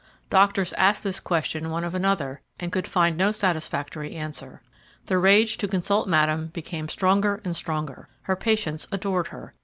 Doctors asked this question one of another, and could find no satisfactory answer. The rage to consult Madame became stronger and stronger. Her patients adored her.